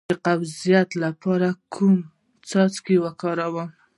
د قبضیت لپاره کوم څاڅکي وکاروم؟